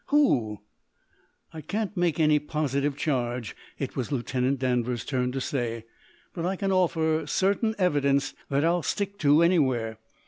Who " "I can't make any positive charge," it was Lieutenant Danvers's turn to say. "But I can offer certain evidence that I'll stick to anywhere.